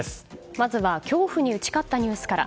まずは恐怖に打ち勝ったニュースから。